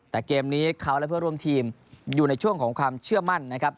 แต่เกมนี้เขาและเพื่อร่วมทีมอยู่ในช่วงของความเชื่อมั่นนะครับ